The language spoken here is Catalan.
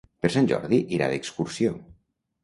Per Sant Jordi irà d'excursió.